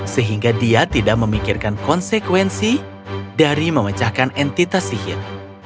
sehingga dia tidak memikirkan konsekuensi dari memecahkan entitas sihir